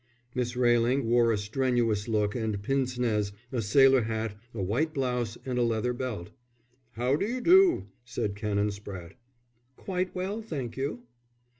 Miss Railing wore a strenuous look and pince nez, a sailor hat, a white blouse, and a leather belt. "How d'you do," said Canon Spratte. "Quite well, thank you."